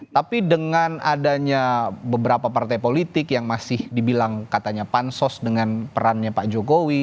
tapi dengan adanya beberapa partai politik yang masih dibilang katanya pansos dengan perannya pak jokowi